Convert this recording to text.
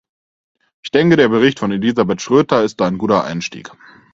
Ich denke, der Bericht von Elisabeth Schroedter ist da ein guter Einstieg.